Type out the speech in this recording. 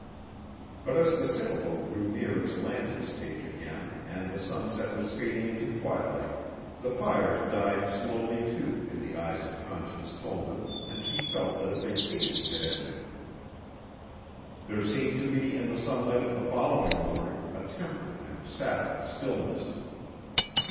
But as the sailboat drew near its landing stage again and the sunset was fading into twilight, the fires died slowly, too, in the eyes of Conscience Tollman and she felt that a vacation had ended. There seemed to be in the sunlight of the following morning a tempered and Sabbath stillness.